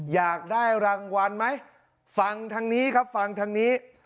อยากได้รางวัลไหมฟังทางนี้ครับฟังทางนี้